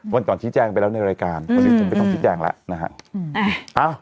วันตอนชี้แจงไปแล้วในรายการอืมอืมอืมไปต้องชี้แจงแล้วนะฮะอ่า